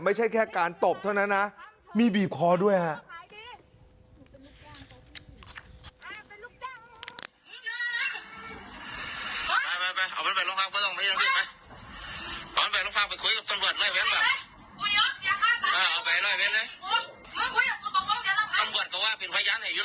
ไม่ใช่แค่การตบเท่านั้นนะมีบีบคอด้วยฮะ